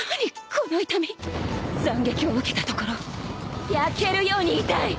この痛み斬撃を受けたところ焼けるように痛い